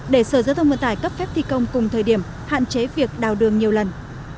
để sở giao thông vận tải cấp phép thi công cùng thời điểm hạn chế việc đào đường nhiều lần